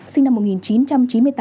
sinh năm một nghìn chín trăm chín mươi tám